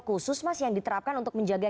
khusus mas yang diterapkan untuk menjaga